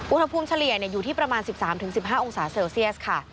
เฉลี่ยอยู่ที่ประมาณ๑๓๑๕องศาเซลเซียสค่ะ